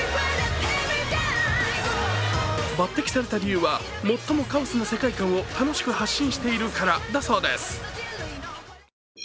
抜てきされた理由は、最もカオスな世界観を楽しく発信しているからだそうです。